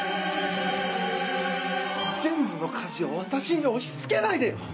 全部の家事を私に押しつけないでよ！